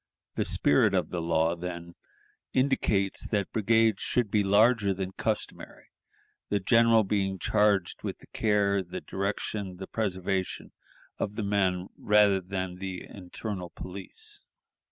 The spirit of the law, then, indicates that brigades should be larger than customary, the general being charged with the care, the direction, the preservation of the men, rather than the internal police."